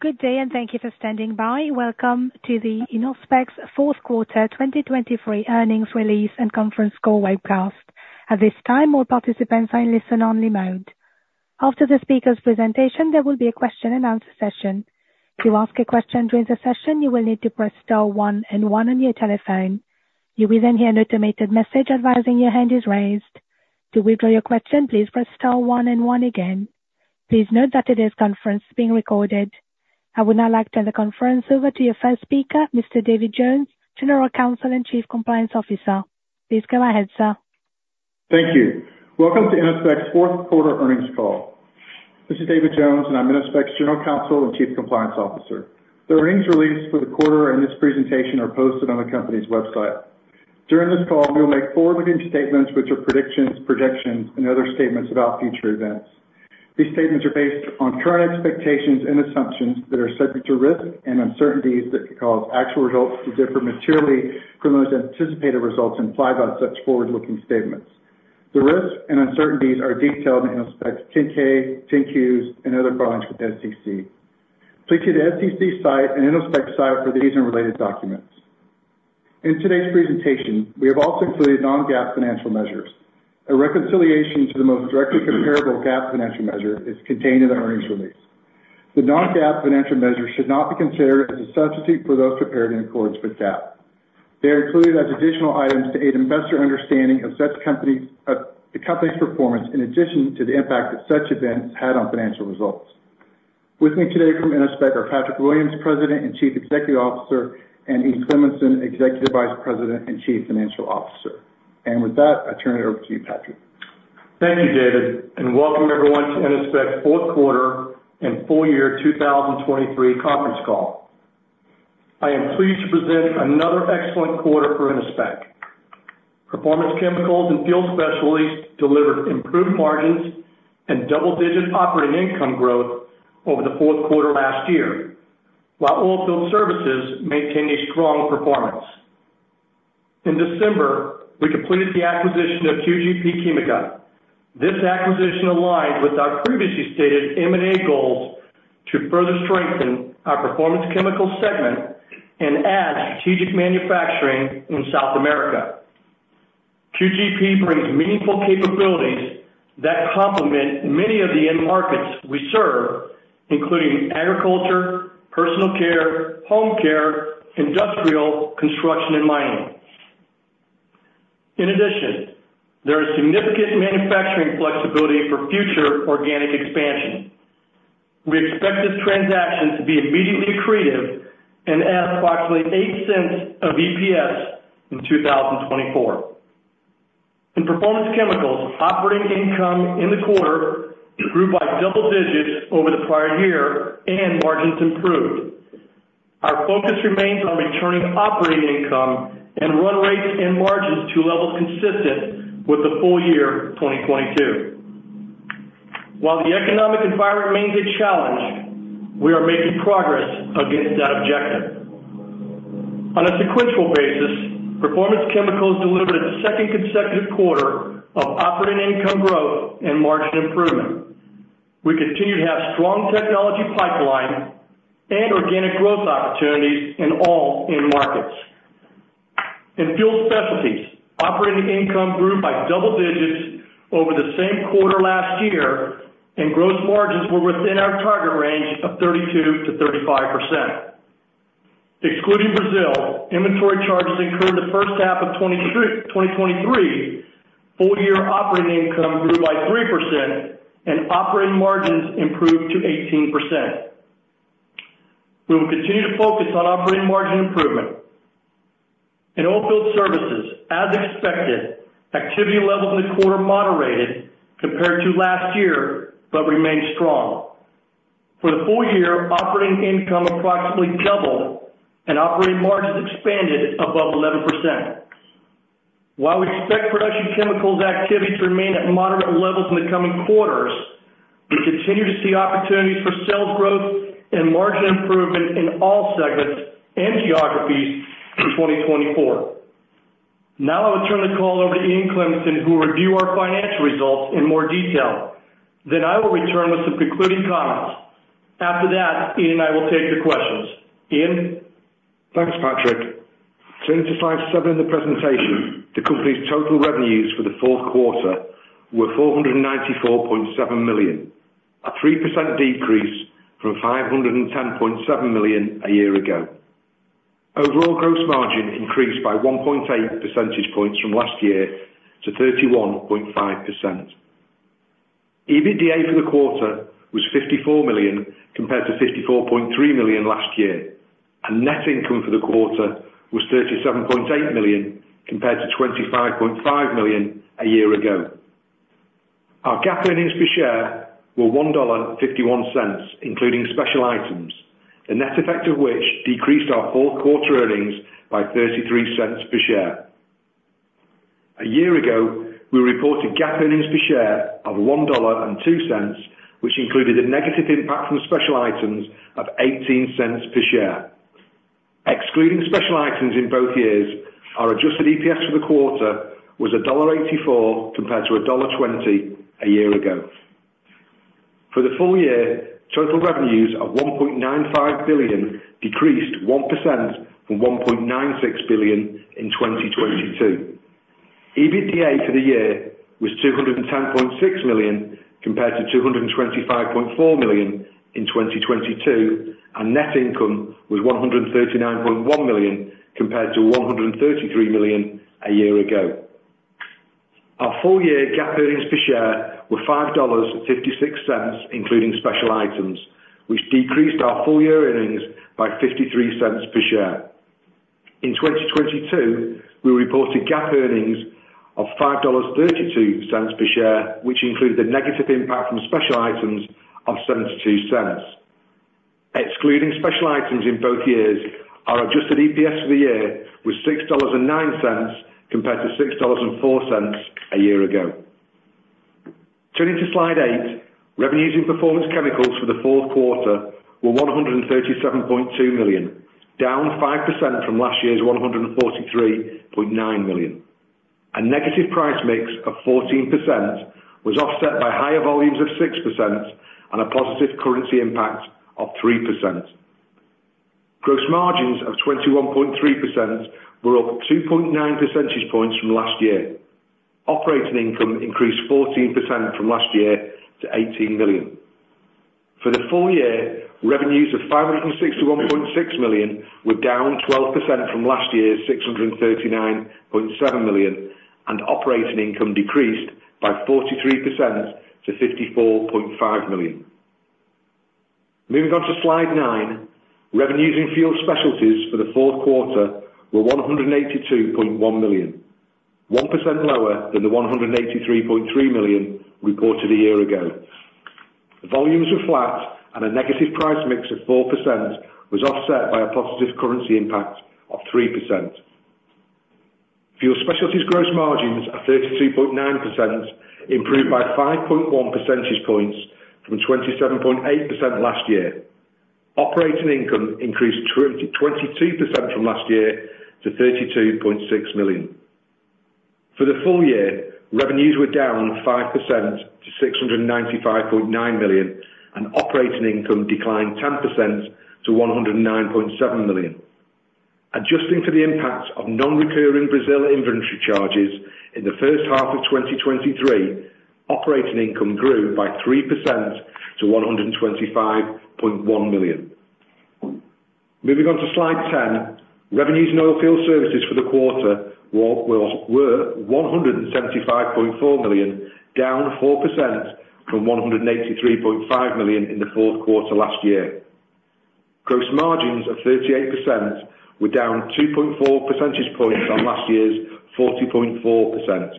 Good day, and thank you for standing by. Welcome to Innospec's Fourth Quarter 2023 Earnings Release and Conference Call Webcast. At this time, all participants are in listen-only mode. After the speaker's presentation, there will be a question and answer session. To ask a question during the session, you will need to press star one and one on your telephone. You will then hear an automated message advising your hand is raised. To withdraw your question, please press star one and one again. Please note that today's conference is being recorded. I would now like to turn the conference over to your first speaker, Mr. David Jones, General Counsel and Chief Compliance Officer. Please go ahead, sir. Thank you. Welcome to Innospec's fourth quarter earnings call. This is David Jones, and I'm Innospec's General Counsel and Chief Compliance Officer. The earnings release for the quarter and this presentation are posted on the company's website. During this call, we'll make forward-looking statements, which are predictions, projections, and other statements about future events. These statements are based on current expectations and assumptions that are subject to risk and uncertainties that could cause actual results to differ materially from those anticipated results implied by such forward-looking statements. The risks and uncertainties are detailed in Innospec's 10-K, 10-Qs, and other filings with the SEC. Please see the SEC site and Innospec's site for these and related documents. In today's presentation, we have also included non-GAAP financial measures. A reconciliation to the most directly comparable GAAP financial measure is contained in the earnings release. The non-GAAP financial measures should not be considered as a substitute for those prepared in accordance with GAAP. They are included as additional items to aid investor understanding of such companies, the company's performance, in addition to the impact that such events had on financial results. With me today from Innospec are Patrick Williams, President and Chief Executive Officer, and Ian Cleminson, Executive Vice President and Chief Financial Officer. With that, I turn it over to you, Patrick. Thank you, David, and welcome everyone to Innospec's Fourth Quarter and Full Year 2023 Conference Call. I am pleased to present another excellent quarter for Innospec. Performance Chemicals and Fuel Specialties delivered improved margins and double-digit operating income growth over the fourth quarter last year, while Oilfield Services maintained a strong performance. In December, we completed the acquisition of QGP Química. This acquisition aligns with our previously stated M&A goals to further strengthen our Performance Chemicals segment and add strategic manufacturing in South America. QGP brings meaningful capabilities that complement many of the end markets we serve, including agriculture, personal care, home care, industrial, construction, and mining. In addition, there is significant manufacturing flexibility for future organic expansion. We expect this transaction to be immediately accretive and add approximately $0.08 of EPS in 2024. In Performance Chemicals, operating income in the quarter grew by double digits over the prior year, and margins improved. Our focus remains on returning operating income and run rates and margins to levels consistent with the full year 2022. While the economic environment remains a challenge, we are making progress against that objective. On a sequential basis, Performance Chemicals delivered its second consecutive quarter of operating income growth and margin improvement. We continue to have a strong technology pipeline and organic growth opportunities in all end markets. In Fuel Specialties, operating income grew by double digits over the same quarter last year, and gross margins were within our target range of 32%-35%. Excluding Brazil, inventory charges incurred in the first half of 2023, full year operating income grew by 3%, and operating margins improved to 18%. We will continue to focus on operating margin improvement. In Oilfield Services, as expected, activity levels in the quarter moderated compared to last year, but remained strong. For the full year, operating income approximately doubled, and operating margins expanded above 11%. While we expect Production Chemicals activity to remain at moderate levels in the coming quarters, we continue to see opportunities for sales growth and margin improvement in all segments and geographies in 2024. Now I will turn the call over to Ian Cleminson, who will review our financial results in more detail. Then I will return with some concluding comments. After that, Ian and I will take the questions. Ian? Thanks, Patrick. Turning to slide 7 of the presentation, the company's total revenues for the fourth quarter were $494.7 million, a 3% decrease from $510.7 million a year ago. Overall, gross margin increased by 1.8 percentage points from last year to 31.5%. EBITDA for the quarter was $54 million, compared to $54.3 million last year, and net income for the quarter was $37.8 million, compared to $25.5 million a year ago. Our GAAP earnings per share were $1.51, including special items, the net effect of which decreased our fourth quarter earnings by $0.33 per share. A year ago, we reported GAAP earnings per share of $1.02, which included a negative impact from special items of $0.18 per share.... excluding special items in both years, our adjusted EPS for the quarter was $1.84, compared to $1.20 a year ago. For the full year, total revenues of $1.95 billion decreased 1% from $1.96 billion in 2022. EBITDA for the year was $210.6 million, compared to $225.4 million in 2022, and net income was $139.1 million, compared to $133 million a year ago. Our full-year GAAP earnings per share were $5.56, including special items, which decreased our full-year earnings by $0.53 per share. In 2022, we reported GAAP earnings of $5.32 per share, which include the negative impact from special items of $0.72. Excluding special items in both years, our adjusted EPS for the year was $6.09, compared to $6.04 a year ago. Turning to Slide 8. Revenues in Performance Chemicals for the fourth quarter were $137.2 million, down 5% from last year's $143.9 million. A negative price mix of 14% was offset by higher volumes of 6% and a positive currency impact of 3%. Gross margins of 21.3% were up 2.9 percentage points from last year. Operating income increased 14% from last year to $18 million. For the full year, revenues of $561.6 million were down 12% from last year's $639.7 million, and operating income decreased by 43% to $54.5 million. Moving on to Slide 9. Revenues in Fuel Specialties for the fourth quarter were $182.1 million, 1% lower than the $183.3 million reported a year ago. Volumes were flat, and a negative price mix of 4% was offset by a positive currency impact of 3%. Fuel Specialties gross margins of 32.9% improved by 5.1 percentage points from 27.8% last year. Operating income increased twenty-two percent from last year to $32.6 million. For the full year, revenues were down 5% to $695.9 million, and operating income declined 10% to $109.7 million. Adjusting for the impact of non-recurring Brazil inventory charges in the first half of 2023, operating income grew by 3% to $125.1 million. Moving on to Slide 10. Revenues in Oilfield Services for the quarter were $175.4 million, down 4% from $183.5 million in the fourth quarter last year. Gross margins of 38% were down 2.4 percentage points from last year's 40.4%,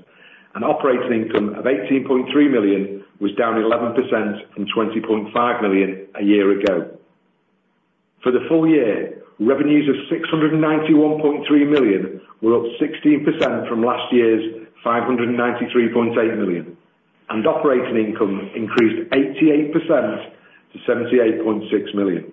and operating income of $18.3 million was down 11% from $20.5 million a year ago. For the full year, revenues of $691.3 million were up 16% from last year's $593.8 million, and operating income increased 88% to $78.6 million.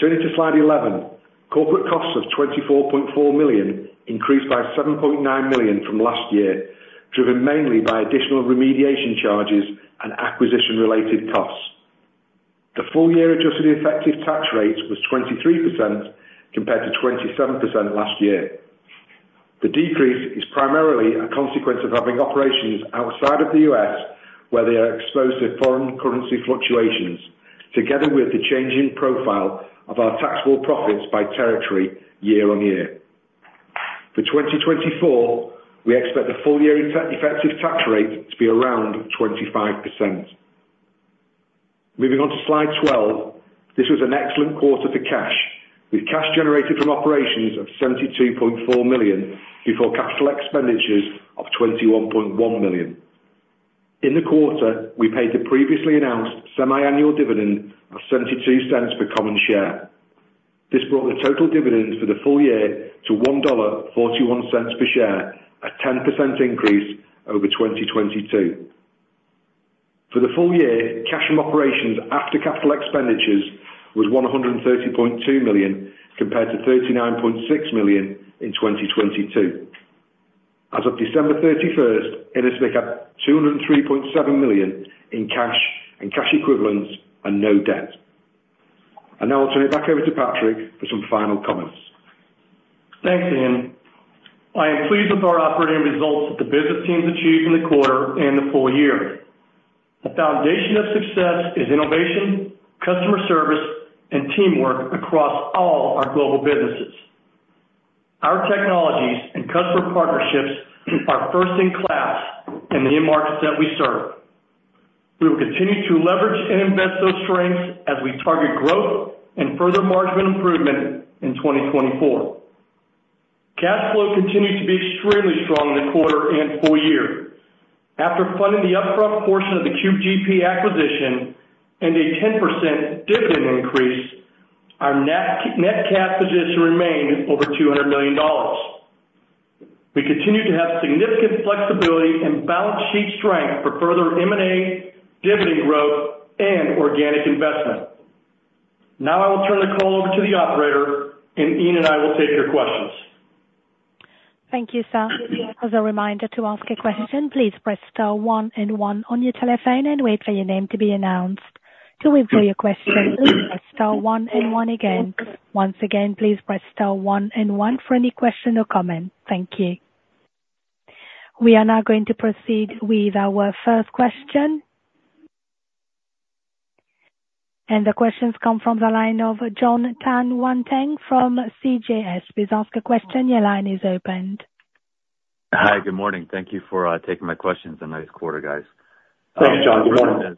Turning to Slide 11. Corporate costs of $24.4 million increased by $7.9 million from last year, driven mainly by additional remediation charges and acquisition-related costs. The full year adjusted effective tax rate was 23%, compared to 27% last year. The decrease is primarily a consequence of having operations outside of the U.S., where they are exposed to foreign currency fluctuations, together with the changing profile of our taxable profits by territory year-on-year. For 2024, we expect the full year effective tax rate to be around 25%. Moving on to Slide 12. This was an excellent quarter for cash, with cash generated from operations of $72.4 million, before capital expenditures of $21.1 million. In the quarter, we paid the previously announced semiannual dividend of $0.72 per common share. This brought the total dividends for the full year to $1.41 per share, a 10% increase over 2022. For the full year, cash from operations after capital expenditures was $130.2 million, compared to $39.6 million in 2022. As of December 31, Innospec had $203.7 million in cash and cash equivalents and no debt. Now I'll turn it back over to Patrick for some final comments. Thanks, Ian. I am pleased with our operating results that the business teams achieved in the quarter and the full year. The foundation of success is innovation, customer service, and teamwork across all our global businesses. Our technologies and customer partnerships are first in class in the end markets that we serve. We will continue to leverage and invest those strengths as we target growth and further margin improvement in 2024. Cash flow continued to be extremely strong in the quarter and full year. After funding the upfront portion of the QGP acquisition and a 10% dividend increase, our net net cash position remains over $200 million. We continue to have significant flexibility and balance sheet strength for further M&A, dividend growth, and organic investment. Now I will turn the call over to the operator, and Ian and I will take your questions. Thank you, sir. As a reminder, to ask a question, please press star one and one on your telephone and wait for your name to be announced. To withdraw your question, press star one and one again. Once again, please press star one and one for any question or comment. Thank you. We are now going to proceed with our first question. The question comes from the line of Jon Tanwanteng from CJS. Please ask a question. Your line is open. Hi, good morning. Thank you for taking my questions. A nice quarter, guys. Thanks, Jon. Good morning.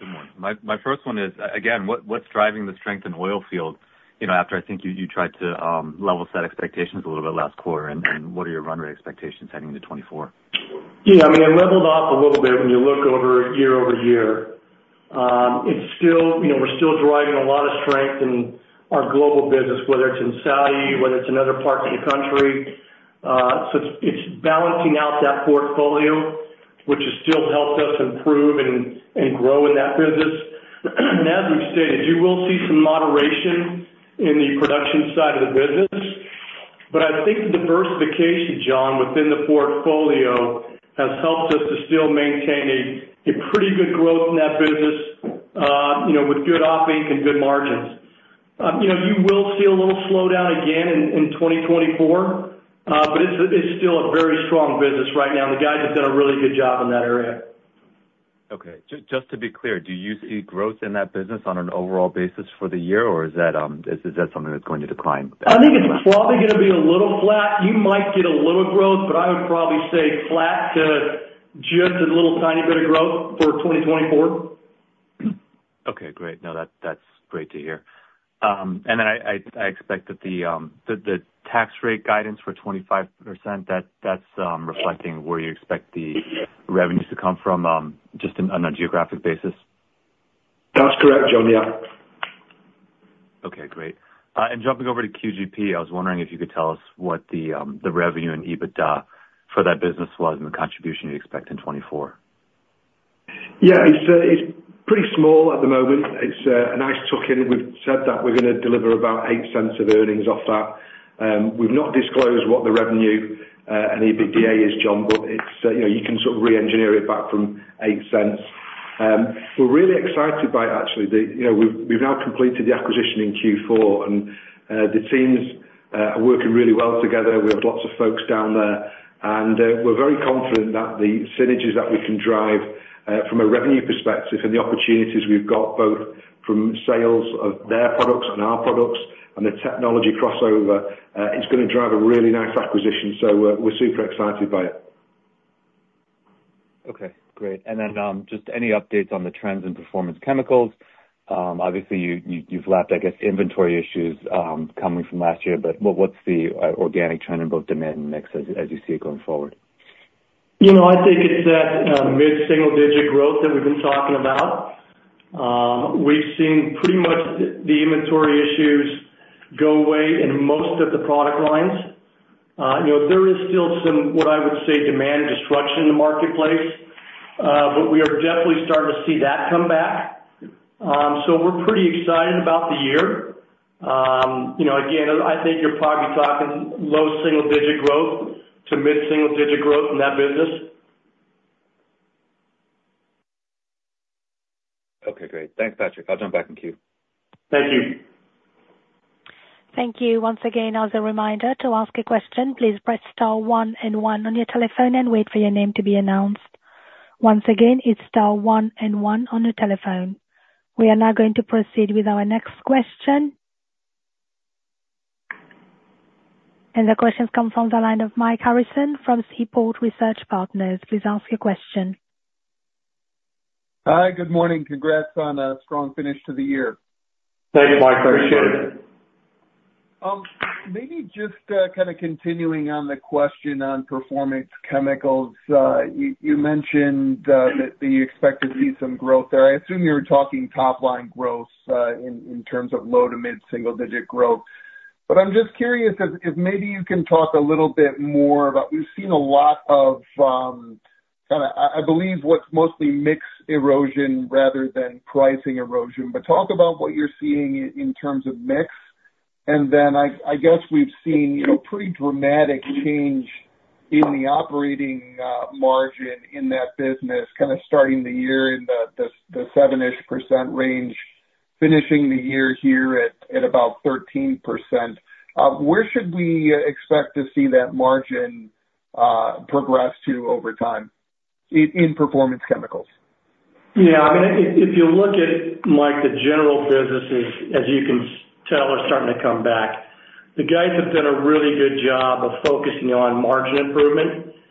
Good morning. My first one is, again, what's driving the strength in Oilfield, you know, after I think you tried to level set expectations a little bit last quarter? And what are your run rate expectations heading into 2024? Yeah, I mean, it leveled off a little bit when you look over year-over-year. It's still, you know, we're still driving a lot of strength in our global business, whether it's in Saudi, whether it's in other parts of the country. So it's balancing out that portfolio, which has still helped us improve and grow in that business. And as we've stated, you will see some moderation in the production side of the business. But I think the diversification, Jon, within the portfolio, has helped us to still maintain a pretty good growth in that business, you know, with good operating and good margins. You know, you will see a little slowdown again in 2024, but it's still a very strong business right now, and the guys have done a really good job in that area. Okay. Just to be clear, do you see growth in that business on an overall basis for the year, or is that something that's going to decline? I think it's probably gonna be a little flat. You might get a little growth, but I would probably say flat to just a little tiny bit of growth for 2024. Okay, great. No, that, that's great to hear. And then I expect that the tax rate guidance for 25%, that's reflecting where you expect the revenues to come from, just in, on a geographic basis? That's correct, Jon. Yeah. Okay, great. Jumping over to QGP, I was wondering if you could tell us what the revenue and EBITDA for that business was and the contribution you expect in 2024? Yeah. It's, it's pretty small at the moment. It's, a nice tuck-in. We've said that we're gonna deliver about $0.08 of earnings off that. We've not disclosed what the revenue, and EBITDA is, Jon, but it's, you know, you can sort of reengineer it back from $0.08. We're really excited by actually the... You know, we've, we've now completed the acquisition in Q4, and, the teams, are working really well together. We have lots of folks down there, and, we're very confident that the synergies that we can drive, from a revenue perspective and the opportunities we've got, both from sales of their products and our products and the technology crossover, it's gonna drive a really nice acquisition. So we're, we're super excited by it. Okay, great. And then, just any updates on the trends in Performance Chemicals? Obviously, you've lapped, I guess, inventory issues coming from last year, but what's the organic trend in both demand and mix as you see it going forward? You know, I think it's that mid-single-digit growth that we've been talking about. We've seen pretty much the inventory issues go away in most of the product lines. You know, there is still some, what I would say, demand destruction in the marketplace, but we are definitely starting to see that come back. So we're pretty excited about the year. You know, again, I think you're probably talking low single digit growth to mid single digit growth in that business. Okay, great. Thanks, Patrick. I'll jump back in queue. Thank you. Thank you. Once again, as a reminder, to ask a question, please press star one and one on your telephone and wait for your name to be announced. Once again, it's star one and one on your telephone. We are now going to proceed with our next question. The question comes from the line of Mike Harrison from Seaport Research Partners. Please ask your question. Hi, good morning. Congrats on a strong finish to the year. Thanks, Mike. Appreciate it. Maybe just kind of continuing on the question on Performance Chemicals. You mentioned that you expect to see some growth there. I assume you were talking top line growth in terms of low- to mid-single-digit growth. But I'm just curious if maybe you can talk a little bit more about... We've seen a lot of kind of, I believe, what's mostly mix erosion rather than pricing erosion, but talk about what you're seeing in terms of mix. And then, I guess we've seen, you know, pretty dramatic change in the operating margin in that business, kind of starting the year in the 7%-ish range, finishing the year here at about 13%. Where should we expect to see that margin progress to over time in Performance Chemicals? Yeah, I mean, if you look at, Mike, the general businesses, as you can tell, are starting to come back. The guys have done a really good job of focusing on margin improvement.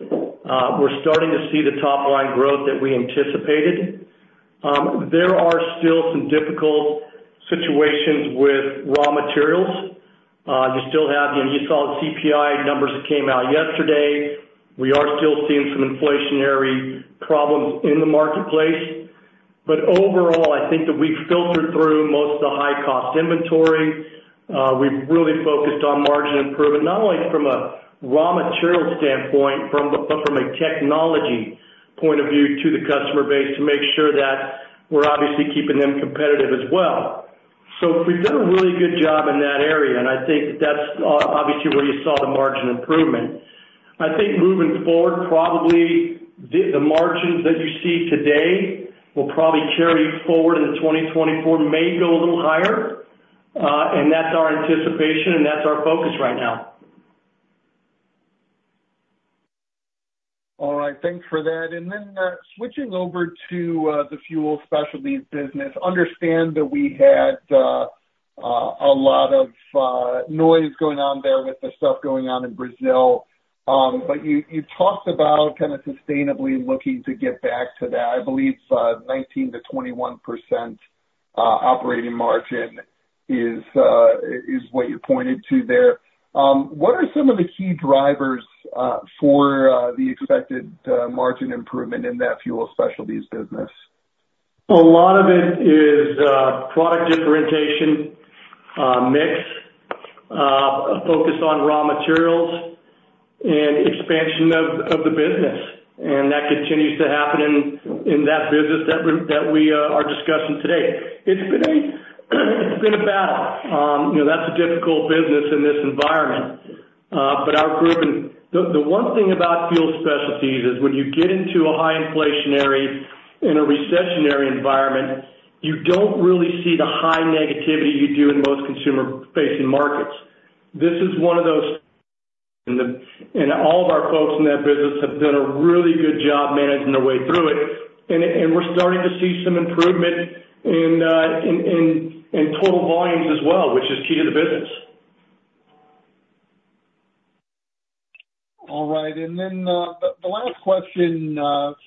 We're starting to see the top line growth that we anticipated. There are still some difficult situations with raw materials. You still have, you know, you saw the CPI numbers that came out yesterday. We are still seeing some inflationary problems in the marketplace, but overall, I think that we've filtered through most of the high-cost inventory. We've really focused on margin improvement, not only from a raw material standpoint, but from a technology point of view to the customer base, to make sure that we're obviously keeping them competitive as well. So we've done a really good job in that area, and I think that's obviously where you saw the margin improvement. I think moving forward, probably the margins that you see today will probably carry forward into 2024, may go a little higher, and that's our anticipation, and that's our focus right now. All right. Thanks for that. And then, switching over to the Fuel Specialties business. Understand that we had a lot of noise going on there with the stuff going on in Brazil. But you, you talked about kind of sustainably looking to get back to that. I believe 19%-21% operating margin is what you pointed to there. What are some of the key drivers for the expected margin improvement in that Fuel Specialties business? A lot of it is product differentiation, mix, a focus on raw materials and expansion of the business, and that continues to happen in that business that we are discussing today. It's been a battle. You know, that's a difficult business in this environment, but our group and the one thing about Fuel Specialties is when you get into a high inflationary in a recessionary environment, you don't really see the high negativity you do in most consumer-facing markets. This is one of those, and all of our folks in that business have done a really good job managing their way through it, and it. And we're starting to see some improvement in total volumes as well, which is key to the business. All right. And then, the last question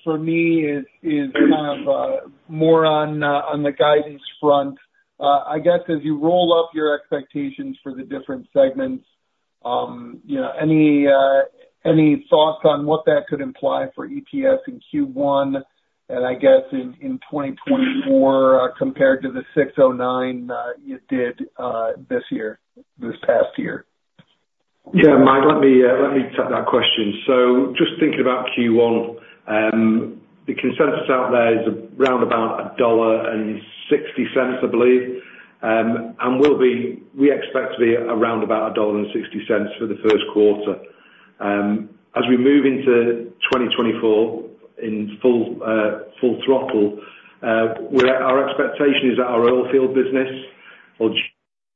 for me is kind of more on the guidance front. I guess as you roll up your expectations for the different segments, you know, any thoughts on what that could imply for EPS in Q1, and I guess in 2024, compared to the $0.609 you did this year, this past year? Yeah, Mike, let me, let me take that question. So just thinking about Q1, the consensus out there is around about $1.60, I believe. And we'll be, we expect to be around about $1.60 for the first quarter. As we move into 2024 in full, full throttle, we're, our expectation is that our Oilfield business will do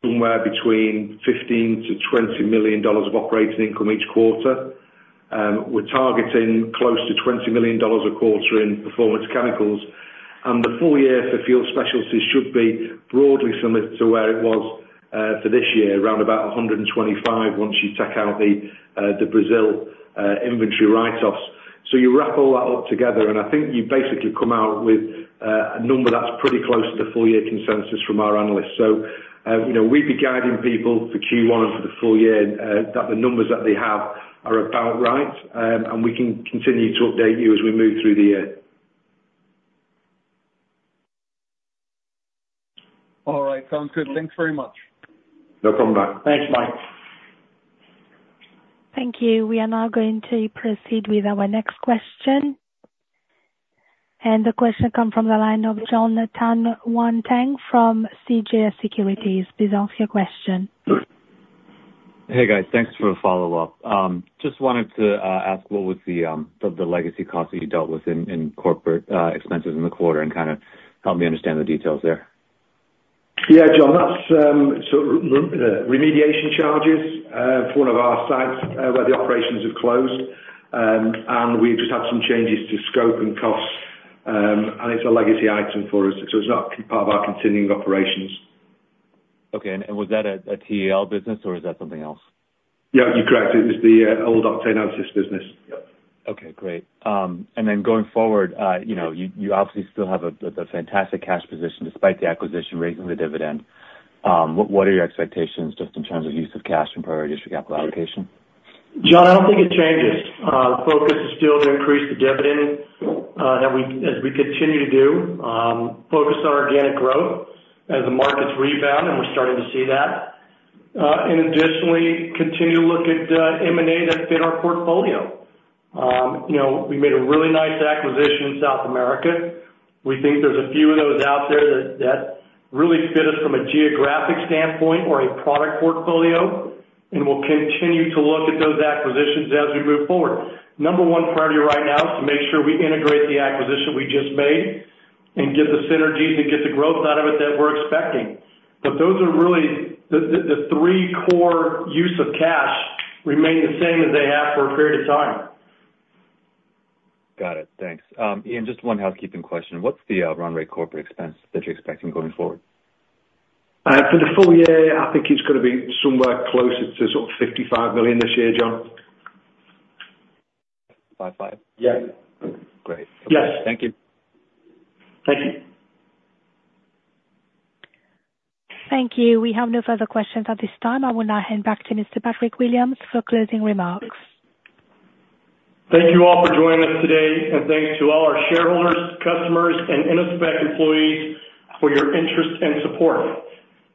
somewhere between $15 million-$20 million of operating income each quarter. We're targeting close to $20 million a quarter in Performance Chemicals, and the full year for Fuel Specialties should be broadly similar to where it was, for this year, around about $125 million once you take out the, the Brazil, inventory write-offs. So you wrap all that up together, and I think you basically come out with a number that's pretty close to the full year consensus from our analysts. So, you know, we'd be guiding people for Q1 and for the full year that the numbers that they have are about right. And we can continue to update you as we move through the year. All right. Sounds good. Thanks very much. No problem, mate. Thanks, Mike. Thank you. We are now going to proceed with our next question. The question come from the line of Jon Tanwanteng from CJS Securities. Please ask your question. Hey, guys. Thanks for the follow-up. Just wanted to ask, what was the legacy cost that you dealt with in corporate expenses in the quarter, and kind of help me understand the details there? Yeah, Jon, that's so remediation charges for one of our sites, where the operations have closed. We've just had some changes to scope and costs, and it's a legacy item for us, so it's not part of our continuing operations. Okay. And was that a TEL business or is that something else? Yeah, you're correct. It was the old octane business. Okay, great. And then going forward, you know, you obviously still have the fantastic cash position despite the acquisition raising the dividend. What are your expectations just in terms of use of cash and priority for capital allocation? Jon, I don't think it changes. Focus is still to increase the dividend, that we, as we continue to do, focus on organic growth as the markets rebound, and we're starting to see that. And additionally, continue to look at, M&A that fit our portfolio. You know, we made a really nice acquisition in South America. We think there's a few of those out there that, that really fit us from a geographic standpoint or a product portfolio, and we'll continue to look at those acquisitions as we move forward. Number one priority right now is to make sure we integrate the acquisition we just made and get the synergies and get the growth out of it that we're expecting. But those are really... The three core use of cash remain the same as they have for a period of time. Got it. Thanks. Ian, just one housekeeping question. What's the run rate corporate expense that you're expecting going forward? For the full year, I think it's gonna be somewhere closer to sort of $55 million this year, Jon. Five five? Yes. Great. Yes. Thank you. Thank you. Thank you. We have no further questions at this time. I will now hand back to Mr. Patrick Williams for closing remarks. Thank you all for joining us today, and thanks to all our shareholders, customers, and Innospec employees for your interest and support.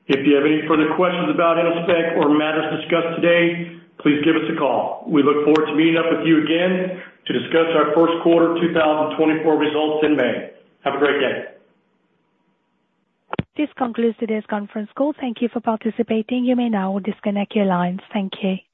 If you have any further questions about Innospec or matters discussed today, please give us a call. We look forward to meeting up with you again to discuss our first quarter 2024 results in May. Have a great day. This concludes today's conference call. Thank you for participating. You may now disconnect your lines. Thank you.